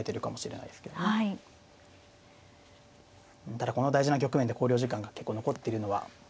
ただこの大事な局面で考慮時間が結構残ってるのは。